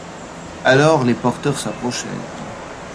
Alors, les porteurs s’approchèrent.